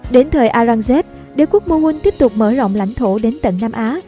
đến thời aurangzeb đế quốc moghul tiếp tục mở rộng lãnh thổ đến tận nam á